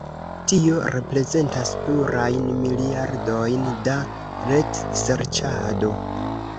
Tio reprezentas plurajn miliardojn da retserĉado.